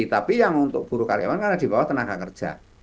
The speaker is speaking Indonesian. tapi yang untuk buruh karyawan karena di bawah tenaga kerja